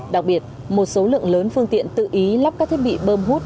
đặc biệt một số lượng lớn phương tiện tự ý lắp các thiết bị bơm hút